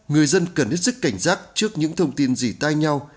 người dân cần ít sức cảnh giác trước những thông tin dì tai nhau